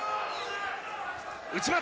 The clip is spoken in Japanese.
内股！